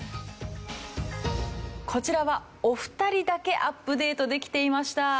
こちらはお二人だけアップデートできていました。